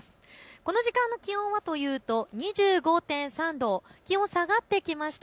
この時間の気温はというと２５．３度、気温、下がってきました。